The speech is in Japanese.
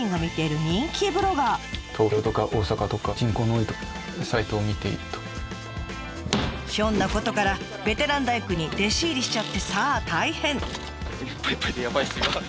住人の一人はなんとひょんなことからベテラン大工に弟子入りしちゃってさあ大変！